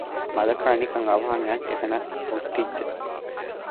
މަލަކާ ނިކަން އަވަހަށް އައިސް އެތަނަށް ހުއްޓިއްޖެ